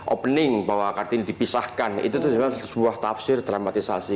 opening bahwa kartini dipisahkan itu sebenarnya sebuah tafsir dramatisasi